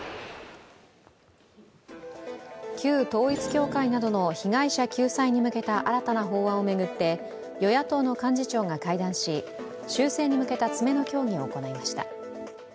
旧統一教会などの被害者救済に向けた新たな法案を巡って与野党の幹事長が会談し修正に向けた詰めの協議を行いました。